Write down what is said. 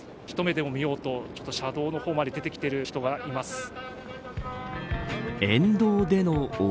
一目でも見ようと車道の方まで出てきている人がいます。